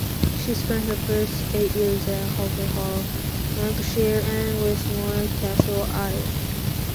She spent her first eight years at Holker Hall, Lancashire, and Lismore Castle, Ireland.